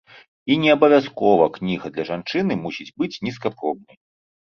І не абавязкова кніга для жанчыны мусіць быць нізкапробнай.